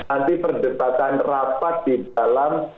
nanti perdebatan rapat di dalam